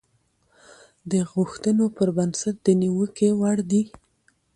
د غوښتنو پر بنسټ د نيوکې وړ دي.